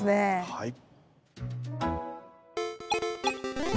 はい。